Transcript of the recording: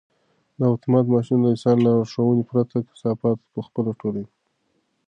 دا اتومات ماشین د انسان له لارښوونې پرته کثافات په خپله ټولوي.